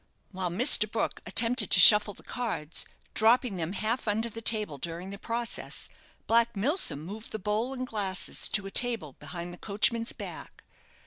While Mr. Brook attempted to shuffle the cards, dropping them half under the table during the process, Black Milsom moved the bowl and glasses to a table behind the coachman's back.